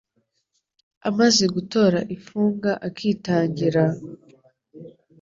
Amaze gutora ifunga akitangira,